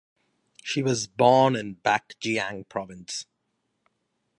She was born in Bac Giang Province.